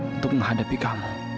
untuk menghadapi kamu